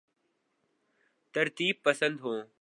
ترتیب پسند ہوں